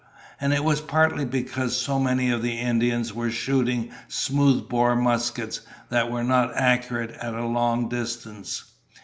And it was partly because so many of the Indians were shooting smoothbore muskets that were not accurate at a long distance.